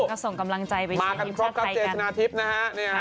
เราส่งกำลังใจไปเชียร์ทีมชาติไทยกันมากันพรบครับเจชนาทิพย์นะฮะ